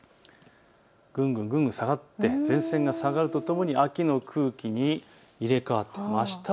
ぐんぐん下がって前線が下がるとともに秋の空気に入れ代わりました。